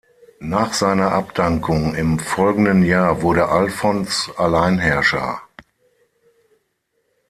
Nach seiner Abdankung im folgenden Jahr wurde Alfons Alleinherrscher.